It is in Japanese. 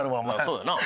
そうやな。